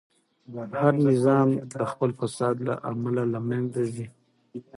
هر نظام د خپل فساد له امله له منځه ځي.